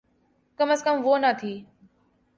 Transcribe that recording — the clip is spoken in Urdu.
کم از کم وہ نہ تھی۔